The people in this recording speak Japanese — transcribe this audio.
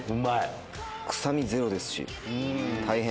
臭みゼロですし、大変。